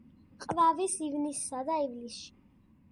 ყვავის ივნისსა და ივლისში.